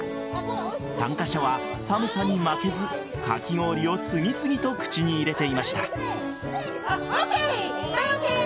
参加者は寒さに負けずかき氷を次々と口に入れていました。